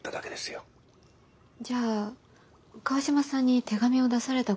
じゃあ川島さんに手紙を出されたことは。